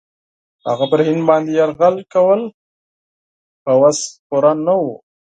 هغه پر هند باندي یرغل کول په وس پوره نه وه.